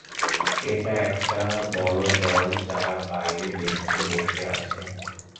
এটা একটা বড় দল যারা বাইরে বেঞ্চে বসে আছে।